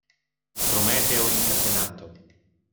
Prometeo incatenato